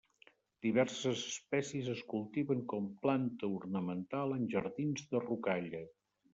Diverses espècies es cultiven com planta ornamental en jardins de rocalla.